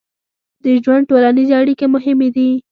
د ژوند ټولنیزې اړیکې مهمې دي.